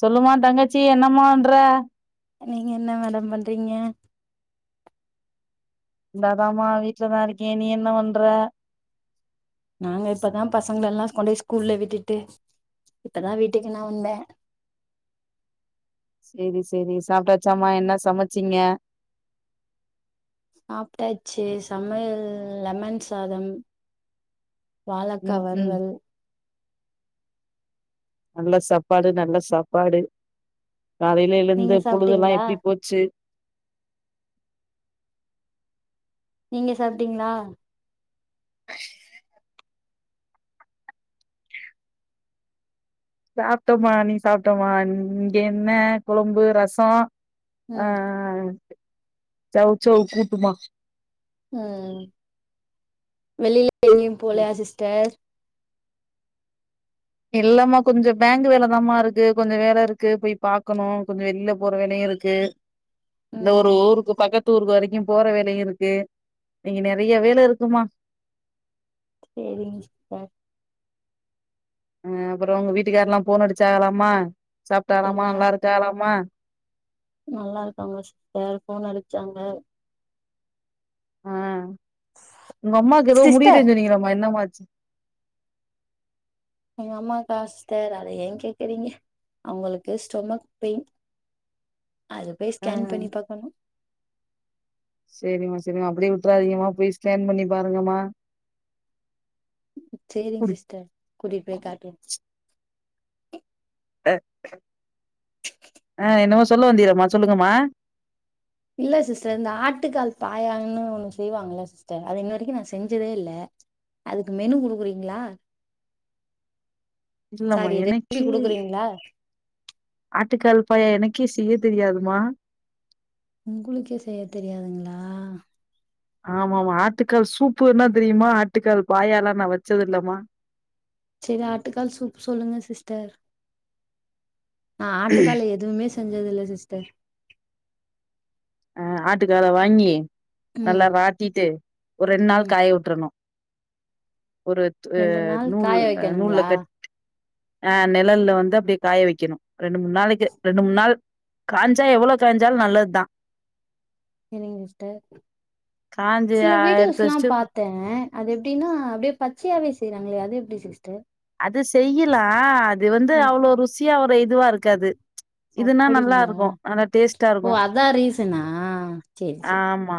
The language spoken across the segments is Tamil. சொல்லுமா தடங்கச்சி என்னம்மன்றற நீங்க என்ன மேடம் பண்றீங்க இந்தாதமா வீட்டுலதான் இருக்கேன் நீ என்ன பண்ற நாங்க இப்பதான் பசங்கள எல்லாம் கொண்டு போய் ஸ்கூல்ல விட்டுட்டு இப்ப தான் வீட்டுக்கு நான் வந்தேன் [unintelligible] சரி சரி சாப்பிட்டாச்சாமா என்ன சமைச்சிங்க சாப்பிட்டாச்சு சமையல் லெமன் சாதம் வாாலக்கா ம் ம் வருவல் நல்ல சாப்பாடு நல்ல சாப்பாடு காலையில நீங்க எழுந்த பொழுதெ எல்லாம் சாப்ட்டீங்களா எப்படி போச்சு நீங்க சாப்ப்டீங்களா சாப்பிட்டோமா நீ சாப்பிட்டோமா நீங்க எண்ணெய் குழம்பு ரசம் ம் ஆஹ் சச்ச கட்டமா உஹம் வெளில எும் போலையா சிஸ்டர் இல்லமா கொஞ்சோ பேங்க் வேலதாமா இருக்கு கொஞ்சோ வேல இருக்கு போய் பாக்கணு கொஞ்சோ வெளில போற வேலையு இருக்கு இந்த ஒரு ம் ஊருக்கு பக்கத் தூருக்கு வரைக்கு போற வேலையு இருக்கு இங்க நிறைய வேல இருக்குமா சேரிங்க சிஸ்டர் அ அப்புறோ உங்க வீட்டுக்கார எல்லா ஃபோன் அடிச்சாறாமா சாப்ட்டாறாமா எல்லா நல்லா இருக்காறாமா நல்லா இருக்காங்க சிஸ்டர் ஃபோன் அடிச்சாங்க ஆ உங்க அம்மாக்கு ஏதோ முடியலே சிஸ்டர் சொன்னீங்கள அம்மா என்னமா ஆச்சு எங்க அம்மாக்கா சிஸ்டர் அத ஏ கேக்குறீங்க அவங்களுக்கு ஸ்டொமக் பெயின் அது போய் ஆ ஸ்கேன் பண்ணி பாக்கணு செரிம்மா செரிம்மா அப்டியே விட்ராதீங்கமா போய் ஸ்கேன் பண்ணி பாருங்கம்மா சேரிங்க குடு சிஸ்டர் கூட்டிட்டு போய் காட்றே அ ஆ என்னமோ சொல்ல வந்தீங்ளேமா சொல்லுங்கமா இல்ல சிஸ்டர் இந்த ஆட்டுக்கால் பாயான்னனு ஒன்னு செய்வாங்கல்ல சிஸ்டர் அது இன்ன வரைக்கு நா செஞ்சதே இல்ல அதுக்கு மெனு கொடுக்குறீங்களா [unintelligible] [inaudible] இல்லமா ரெசிபி எனக்கே குடுக்குறீங்களா ஆட்டுக்கால் பாயா எனக்கே செய்ய தெரியாதுமா உங்களுக்கே செய்ய தெரியாதுங்களா ஆமா ஆமா ஆட்டுக்கால் சூப்புனா தெரியுமா ஆட்டுக்கால் பாயாலா நா வெச்சது இல்லமா சேரி ஆட்டுக்கால் சூப்பு சொல்லுங்க சிஸ்டர் நா ஆட்டுக்கால்ல எதுவுமே செஞ்சது இல்ல சிஸ்டர் ஆ ஆட்டுக்கால வாங்கி ம் நல்லா வாட்டிட்டு ஒரு ரெண் நாள் ம் காய விட்றணு ஒரு அ ரெண்டு நாள் நூல் காய நூல்ல வைக்கணுங்களா கட் ஆ நிழல்ல வந்து அப்டி காய வைக்கணு ரெண்டு மூண் நாளைக்கு ரெண்டு மூண் நாள் காயஞ்சா எவ்வளோ காயஞ்சாலு நல்லது தா சேரிங்க சிஸ்டர் காஞ்சி சில எடுத்து வீடியோஸ்லா வச்சுட்டு பாத்தே அது எப்டின்னா அப்டியே பச்சையாவே செய்றாங்களே அது எப்டி சிஸ்டர் அது செய்யுலா அது வந்து ஆ அவ்ளோ ருசியா ஒரு இதுவா இருக்காது இதுன்னா நல்லா அப்படிங்களா இருக்கு நல்ல டேஸ்டா ஓ இருக்கு அதா ரீசனா சேரி சேரி ஆமா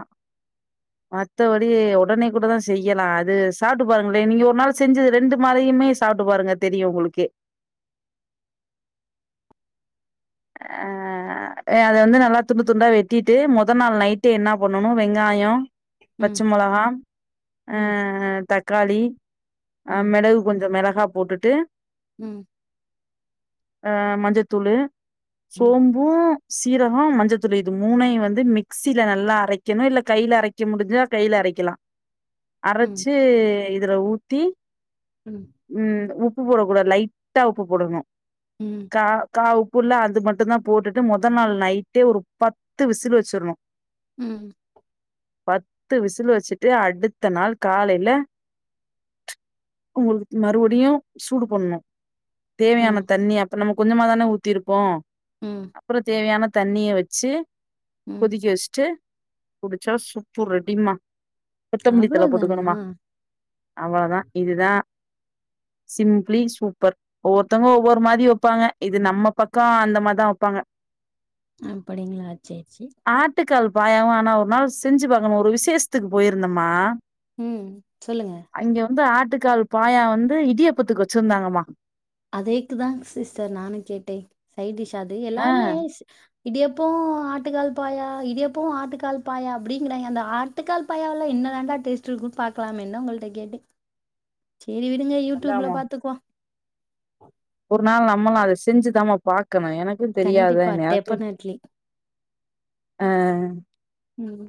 மத்தபடி ஒடனே கூட தா செய்யலா அது சாப்ட்டு பாருங்களே நீங்க ஒரு நாள் செஞ்சது ரெண்டு மாரியு மே சாப்ட்டு பாருங்க தெரியு உங்களுக்கு ஆ அ அத வந்து நல்லா துண்டு துண்டா வெட்டிட்டு மொதல் நாள் நைட்டே என்னா பண்ணணு வெங்காயோ பச்ச ம், மொளகா அ ம், தக்காளி அ ம், மிளகு கொஞ்சோ மெளகா போட்டுட்டு ம் அ மஞ்சத்தூளு ம், சோம்பு சீரகோ மஞ்ச தூளு இது மூணையு வந்து மிக்சில நல்லா அரைக்கணு இல்ல கையில அரைக்க முடிஞ்சா கையில அரைக் க்குலா ம், அரச்சு இதுல ஊத்தி ம், ம் உப் பு போடக்கூடாது லைட்டா உப்பு போடணு ம், கா கா உப் புல்ல அது மட்டு தா போட்டுட்டு மொத நாள் நைட்டு ஒரு பத்து விசில் வெச்சிற்ணு ம் பத்து விசில் வச்சுட்டு அடுத்த நாள் காலையில உங்களுக்கு மறுபடியு சூடு பண்ணு தேவையான ம், தண்ணி அப்பறோ நம்ம கொஞ்சமா தானே ஊத்திருப்போ ம், அப்புறோ தேவையான தண்ணிய வச்சு ம். கொதிக்கி வச்ட்டு குடிச்சா சுப்பு ரெடிம்மா கொத்தமல்லித்தல அவ்வளோதானா? போட்டுக்கணுமா அவ்வளதா இதுதா சிம்ப்ளி சூப்பர் ஒவ்வொருத்தவங்க ஒவ்வொரு மாரி வெப்பாங்க இது நம்ம பக்க அந்த மாரிதா வெப்பாங்க அப்படிங்களா சேச்சி ஆட்டுகால் பாயவும் ஆனா ஒரு நாள் செஞ்சு பாக்கணும் ஒரு விசேஷத்துக்கு போயிருந்தம்மா ம். சொல்லுங்க. அங்க வந்து ஆட்டுக்கால் பாயா வந்து இடியப்பத்துக்கு வச்சிருந்தாங்கம்மா அதேக்குதான் சிஸ்டர் நானும் கேட்டேன் சைடிஷ் அது ஆ எல்லாமே இடியப்போம் ஆட்டு கால் பாயா இடியப்பம் ஆட்டு கால் பாயா அப்படிங்கறாங்க அந்த ஆட்டுக்கால் பாயாவல்ல என்ன தாண்டா டேஸ்ட் குட் பாலாம் என் உங்கள்கிட்ட கேட்டு சேரி விடுங்க யூடியூப்ல அதாமா பாத்துப்போம் ஒரு நாள் நம்மளும் அதை செஞ்சுதாம பா க்கணும் எனக்கும் தெரியாத கண்டிப்பா, எனக்கு டெஃபனட்லி. ஆஹ் உம்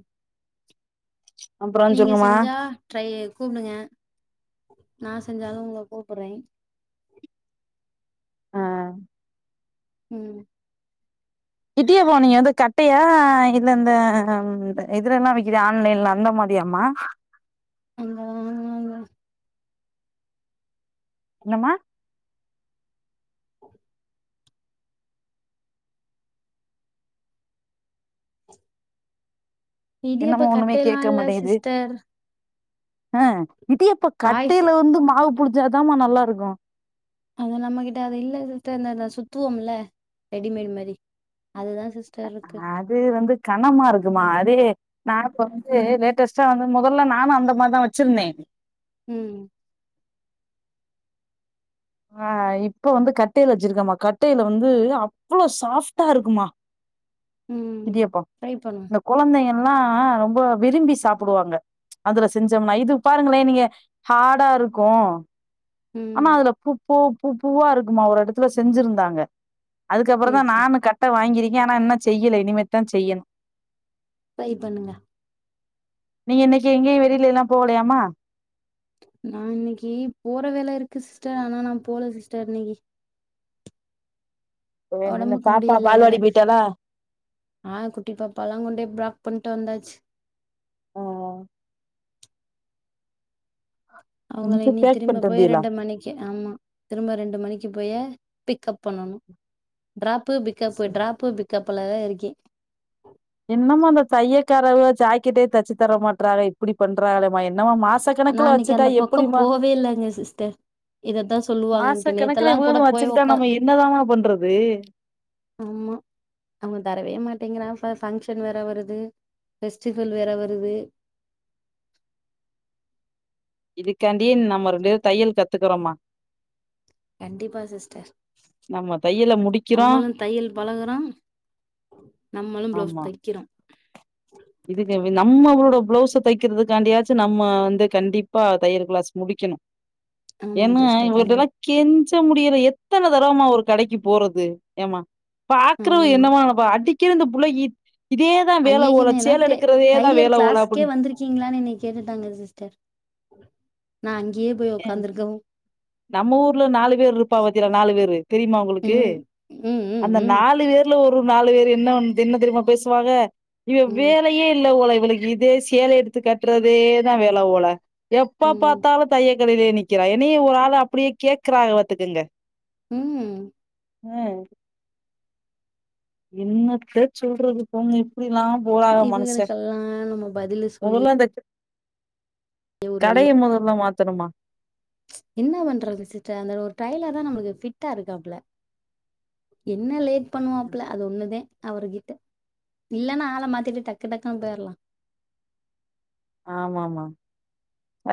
அப்றோ நீங்க சொல்லுங்கமா செஞ்சா ட்ரை கூப்பிடுங்க ந செஞ்சாலும் உங்களை கூப்பறேன் ஆஹ் உம் இடியாப்பம் நீங்க வந்து கட்டையா இல்ல இந்த இதுல எல்லாம் வக்கிற ஆன்லைன்ல அந்த மாதிரி யாம ஆமாங்க என்னம்மா இடியாப்ப என்னம ஒண்ணுமே கட்டைல்லா கேட்க இல்ல மாட்டேங்குது சிஸ்டர் ஆஹ் இடியாப்ப வாய்ஸ் கட்டைல வந்து மாவு புளிஞ்ஞாதாம நல்லா இருக்கு அது நம்மகிட்ட அது இல்லதத்த இந்த அது சுத்துவோம்ல ரெடிமேட் மாரி அதுதா சிஸ்டர் இருக்கு அது வந்து கனமா இருக்குமா அது நா இப்ப வந்து லேட்டஸ்ட்டா வந்து முதல்ல நானு அந்த மாரிதான் வச்சிருந்தே ம் ஆஹ் இப்ப வந்து கட்டைல வச்சிருக்கம கட்டைல வந்து அவ்ளோ சாஃப்ட்டா இருக்குமா ம் இடியாப்போ ட்ரை பண்ணுவோ இந்த கொழந்தைங்கல்லா ரொம்ப விரும்பி சாப்டுவாங்க அதுல செஞ்சோம்னா இது பாருங்களே நீங்க ஹார்டா இருக்கு ஆனா ம் அதுல பூப் பூ பூ பூவா இருக்குமா ஒரு இடத்துல செஞ்சிருந்தாங்க அதுக்கப்புறோ தா சேரி சேரி நானு கட்ட வாங்கிருக்கே ஆனா இன்னு செய்யல இனிமேத்தா செய்யணு ட்ரை பண்ணுங்க நீங்க இன்னைக்கு எங்கேயு வெளிலைலா போகலையாமா நான் இன்னைக்கு போற வேலை இருக்கு சிஸ்டர் ஆனா நா போல சிஸ்டர் இன்னைக்கு என்ன ஒடம்புக்கு பாப்பா முடியில பால்வாடி போயிட்டாலா ஆ குட்டிப்பால கொண்டேப்ர போட்டு வந்தாஜு ஆ அவங்கள இன்னைக்கு இனி பேக் திரும்ப பண்ணிட்டு போய் வந்தீகளா ரெண்டு மணிக்கு ஆமா திரும்ப ரெண்டு மணிக்கு இப்பய பிக் அப் பண்ணணு டிராபு பிக்கப் டிராபு பிக் கப்ல தா இருக்கே இன்னுமு அந்த தையக்காரவுக ஜாக்கிட்டே தெச்சு தர மாட்றாக இப்படி பண்றாகலே மா என்னமா மாச நா கணக்குல அன்னைக்கு வச்சுட்டா அந்த பக்கம் எப்புடிமா போவே இல்லங்க சிஸ்டர் இதத்தா மாச சொல்லுவாங்கன்ட்டு கணக்குல நேத்தெல்லா கூட இவ்ளுகளு போய் வச்சுக்கிட்டா உக்கா நாம என்னதாமா பண்றது ஆமா அவுங்க தரவே மாட்டேங்றா அ ஃபங்க்ஷன் வேற வருது ஃபெஸ்டிவல் வேற வருது இதுக்காண்டியே நம்ம ரண்டு பேரு தையல் கத்துக்கறொமா கண்டிப்பா சிஸ்டர் நம்ம தையல முடிக்கிறோ நம்மளு தையல் பழகறம் நம்மளு ப்ளவுஸ் தெக்கறோ இதுக்கவே நம்மளோட பிளவுஸ்ஸ தைக்கறதுக்காண்டியாச்சு நம்ம வந்து கண்டிப்பா தையல் கிளாஸ் முடிக்கணு ஆமாங்க ஏங்க சிஸ்டர் இவுங்கட்டலா கண்டிப் கென் சு முடியல எத்தன தரமா ஒரு கடைக்கு போறது ஏமா பாக்கிறவ ஆமா என்னமா நெனப்பா அடி கீருந்த புள்ளைக்கித் இதேதா வேல போல எலா தெ டைலர் க்ளாஸ்கே வந்திருக்கீங்களான் என்ன கேட்டுட்டாங்க சிஸ்டர் இ போய் அப்டின்னு ஒக்காந்திருக்கவு நம்ம ஊர்ல நாலு பேர் இருப்பா பாத்திகளா நாலு பேரு தெரியுமா உங்குளுக்கு ம் ம் ம் அந்த ம் நாலு வேர்ல ஒர் உ நாலு பேர் என்ன வந் என்ன தெரியுமா பேசுவாக இவ் ம் வேலையே இல்ல போல உனக் இதே சேல எடுத்து கட்டுறதே தா வேல போல எப்ப ம் பாத்தாலு தே கடையிலே நிக்கிறா என்னய ஒரு ஆள் அப்டியே கேக்குறாங்க பாத்துக்குங்க ம் அ என்னத்த சொல்றது போங்க எப்டிலாம் போகாத மனுச இவங்களுக்கெல்லா நம்ம பதிலு சொல்லியே மொதல்ல அந்த ஒரு வழி கடைய மொதல்ல மாத்தணுமா என்ன பண்றது சிடர் அந்த ஒரு டைலர் தா நம்ளுக்கு ஃபிட்டாருக்காப்ல என்ன லேட் பண்ணுவாப்புல அது ஒண்ணுதே அவரு கிட்ட இல்லனா ஆள மாத்திட்டு டக்கு டக்குன் போயிர்லா ஆமாமா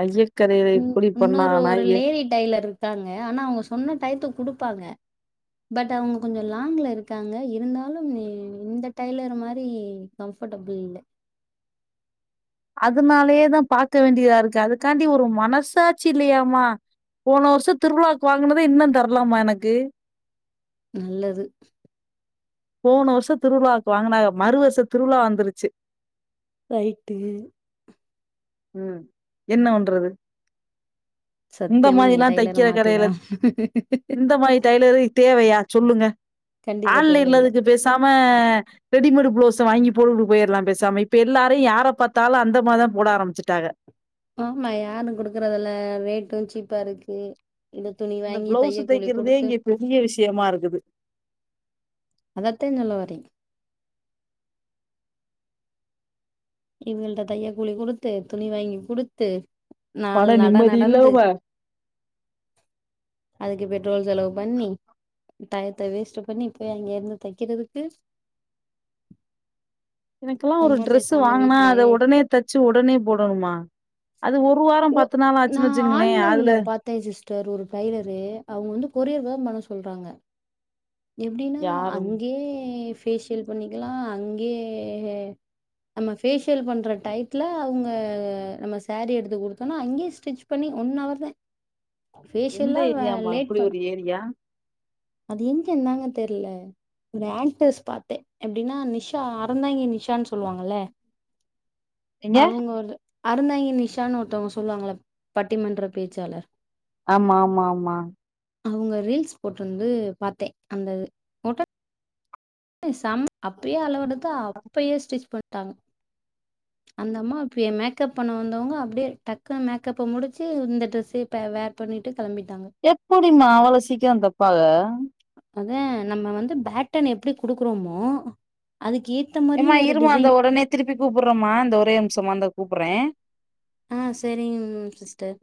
ஐஜக் ம் உன்னொரு ஒரு லேடி டைலர் இருக்காங்க ஆனா அவுங்க சொன்ன டயத்து குடுப்பாங்க பட் அவங்க கொஞ்ச லாங்ல இருக்காங்க இருந்தாலு நீ இந்த டைலர் மாரி கம்ஃப ஃபடபுள் இல்ல [inaudible] அதுனாலயே தான் பார்க்க வேண்டியதா இருக்கு அதுக்காண்டி ஒரு மனசாச்சி இல்லையாமா போன வருஷம் திருவிழாவுக்கு வாங்கினத இன்னும் தரலாமா எனக்கு நல்லது போன வருஷம் திருவிழாக்கு வாங்குனாக மறு வருஷம் திருவிழா வந்துருச்சு ரைட்டு உம் என்ன பண்றது இந்த சத்தியமா நீங்க மாதிரிலாம் டைலரை தைக்கிற கடையில மாத்திதான் இந்த மாதிரி டெய்லரு தேவையா சொல்லுங்க கண்டிப்பா ஆன்லைன்ல தேவையில்லை அதுக்கு பேசாம ரெடிமேடு் ப்ளோஸ் வாங்கி போட்டுட்டு போயிடலாம் பேசாம இப்ப எல்லாரு யார பார்த்தாலும் அந்த மாதி தான் போட ஆரம்பிச்சு வச்சுட்டாங்க ஆமா யாரும் குடுக்குறதுல்ல ரேட்டும் சீப்பா இருக்கு இந்த துணி வாங்கி பிளவுஸ் தைய கூலி தைக்கிறதே குடுத்து இங்க பெரிய விஷயமா இருக்குது அதத்தா சொல்ல வரேன் இவங்கள்ட்ட தைய கூலி குடுத்து துணி வாங்கி குடுத்து நாள் மன நட நிம்மதி நடந்து இல்லாம அதுக்கு பெட்ரோ ரோல்ஸ் செலவு பண்ணி டயத்த வேஸ்ட் பண்ணி போய் அங்க இருந்து தைக்கிறதுக்கு [inaudible] எனக்கெல்லா ஒரு நம்ம டிரெஸ் பேசாம வாங்கினா அத வீட்லயே உடனே தச்சு உடனே போடணுமா அது ஒரு வாரம் ஓ பத்து நாள் நா ஆச்சுன்னு வச்சுங்களேன் ஆன்லைன்ல அதுல பாத்தே ஒரு டைலரு அவங்க வந்து கொரியர் தா பண்ண சொல்றாங்க எப்படின்னா யாரும் அங்கேயே பேஷியல் பண்ணிக்கலா அங்கேயே நம்ம பேஷியல் பண்ற டைத்ல அவங்க நம்ம சாரி எடுத்து கொடுத்தோம்னா அங்கேயே ஸ்டிச் பண்ணி ஒன் அவர் தான் எந்த பேஷியல்லா ஏரியாமா லேட் இப்படி பண் ஒரு ஏரியா அது எங்கன்னுந்தாங்க தெரில ஒரு ஆக்டர்ஸ் பாத்தேன் எப்படின்னா நிஷா அறந்தாங்கி நிஷான்னு சொல்லுவாங்கல்ல எங்க அவங்க ஒரு அறந்தாங்கி நிஷான்னு ஒருத்தவங்க சொல்லுவாங்கள பட்டிமன்ற பேச்சாளர் ஆமா ஆமா ஆமா அவங்க ரீல்ஸ் போட்ருந்து பாத்தேன் அந்த செம்ம அப்பயே அளவுடுத்து அப்பயே ஸ்டிச் பண்ட்டாங்க [inaudible] அந்த அம்மா இப்ப மேக்கப் பண்ண வந்தவங்க அப்படியே டக்குனு மேக்கப்ப முடிச்சு இந்த டிரெஸ்ஸயே வேர் பண்ணிட்டு கெளம்பிட்டாங்க எப்படிமா அவளசீக்கிறந்தப்பாக அதான் நம்ம வந்து பேட்டன் எப்படி குடுக்குறோமோ அதுக்கு ஏத்த மாரியு ஏமா வேற இருமா அந்த டிசைன் உடனே திருப்பி கூப்டுறோமா அந்த ஒரே நிம்ஷமா அந்த கூப்றேன் ஆ சரிங் சிஸ்டர்